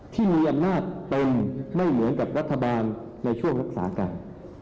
ที่มีอำนาจเต็มไม่เหมือนกับรัฐบาลในช่วงรักษาการ